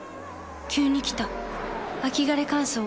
急に来た秋枯れ乾燥。